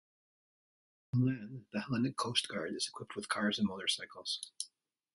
On land the Hellenic Coast Guard is equipped with cars and motorcycles.